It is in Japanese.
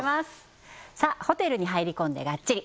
ホテルに入り込んでがっちり！